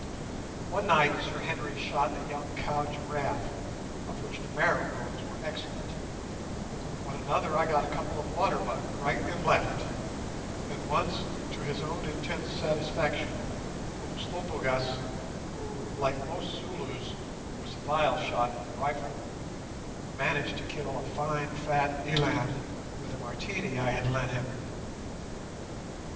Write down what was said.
One night Sir Henry shot a young cow giraffe, of which the marrow bones were excellent; on another I got a couple of waterbuck right and left; and once, to his own intense satisfaction, Umslopogaas (who, like most Zulus, was a vile shot with a rifle) managed to kill a fine fat eland with a Martini I had lent him.